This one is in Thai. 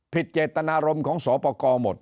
เจตนารมณ์ของสอปกรหมด